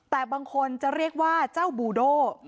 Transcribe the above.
แต่บางคนจะเรียกว่าเจ้าบูโด